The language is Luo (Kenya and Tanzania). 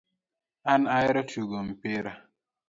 An ahero tugo mpira